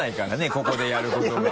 ここでやることが。